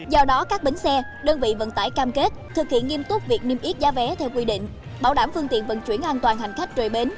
do đó các bến xe đơn vị vận tải cam kết thực hiện nghiêm túc việc niêm yết giá vé theo quy định bảo đảm phương tiện vận chuyển an toàn hành khách trời bến